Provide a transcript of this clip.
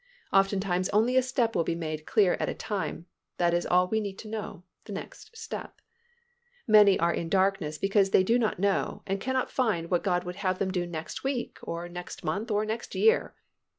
Oftentimes only a step will be made clear at a time; that is all we need to know—the next step. Many are in darkness because they do not know and cannot find what God would have them do next week, or next month or next year.